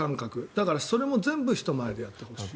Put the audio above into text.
だから、それも全部人前でやってほしい。